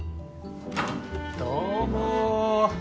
どうも。